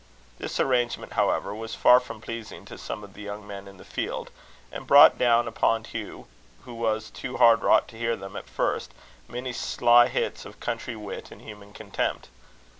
This arrangement, however, was far from pleasing to some of the young men in the field, and brought down upon Hugh, who was too hard wrought to hear them at first, many sly hits of country wit and human contempt.